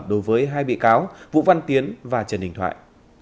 đối với hai bị cáo vũ văn tiến và trần đình thoại